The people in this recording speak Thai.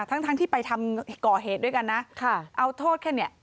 ทั้งทั้งที่ไปทำก่อเหตุด้วยกันนะค่ะเอาโทษแค่เนี้ย